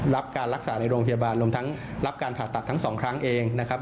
รับการรักษาในโรงพยาบาลรวมทั้งรับการผ่าตัดทั้งสองครั้งเองนะครับ